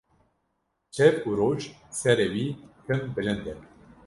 Şev û roj serê wî tim bilinde